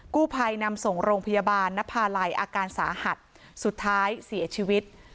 กู้ภัยนำส่งโรงพยาบาลนภาลัยอาการสาหัสสุดท้ายเสียชีวิต